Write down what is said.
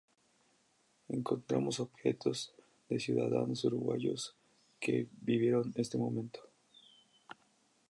Encontramos objetos de ciudadanos uruguayos que vivieron este momento.